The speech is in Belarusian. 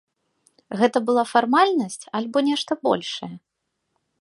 Гэта была фармальнасць альбо нешта большае?